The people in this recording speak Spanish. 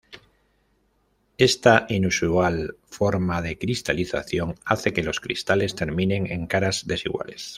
Esta inusual forma de cristalización hace que los cristales terminen en caras desiguales.